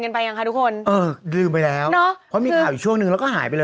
ไม่ว่างมาเนอะเออ